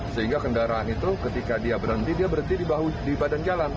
sehingga kendaraan itu ketika dia berhenti dia berhenti di badan jalan